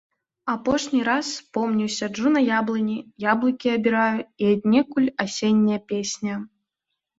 Апошні раз помню сяджу на яблыні, яблыкі абіраю і аднекуль асенняя песня.